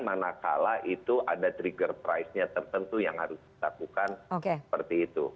manakala itu ada trigger price nya tertentu yang harus dilakukan seperti itu